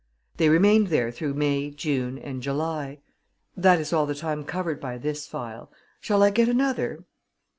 They remained there through May, June, and July. That is all the time covered by this file. Shall I get another?"